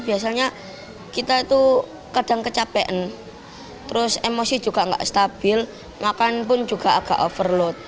biasanya kita itu kadang kecapean terus emosi juga nggak stabil makan pun juga agak overload